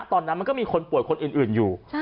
ตอนนั้นมันก็มีคนป่วยคนอื่นอยู่